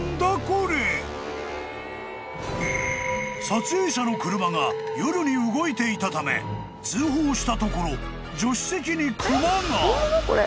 ［撮影者の車が夜に動いていたため通報したところ］